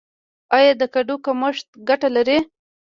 آیا د کدو کښت ګټه لري؟